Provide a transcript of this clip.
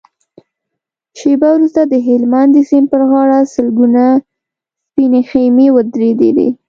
شېبه وروسته د هلمند د سيند پر غاړه سلګونه سپينې خيمې ودرېدې.